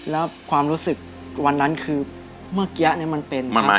แล้วความรู้สึกวันนั้นคือเมื่อกี้มันเป็นครับ